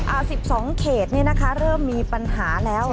เอา๑๒เขตนี่นะคะเริ่มมีปัญหาแล้ว